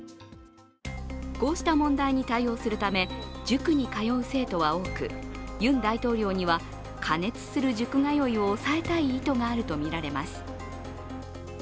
こうした問題に対応するため塾に通う生徒は多く、ユン大統領には過熱する塾通いを抑えたい意図があるとみられます。